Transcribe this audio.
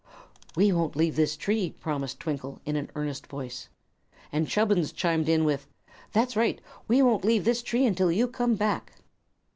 "We won't leave this tree," promised Twinkle, in an earnest voice. And Chubbins chimed in with, "That's right; we won't leave this tree until you come back."